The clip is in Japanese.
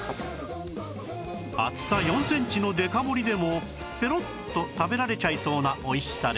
厚さ４センチのデカ盛りでもペロッと食べられちゃいそうな美味しさです